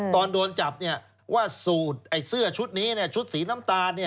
ตอนโดนจับว่าสูตรเสื้อชุดนี้ชุดสีน้ำตาล